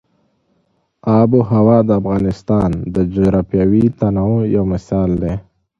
آب وهوا د افغانستان د جغرافیوي تنوع یو مثال دی.